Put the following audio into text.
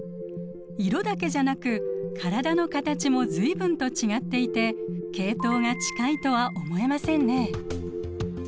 色だけじゃなく体の形も随分と違っていて系統が近いとは思えませんね。